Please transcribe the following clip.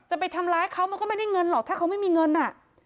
จะไปทำร้ายเขามันก็ไม่ได้เงินหรอกถ้าเขาไม่มีเงินอ่ะ